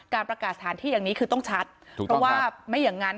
ประกาศสถานที่อย่างนี้คือต้องชัดเพราะว่าไม่อย่างนั้น